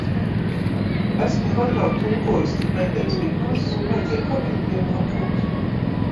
Esmu jau agrāk tulkojusi, kad meitenes bija mazas un vajadzēja papildu ienākumus.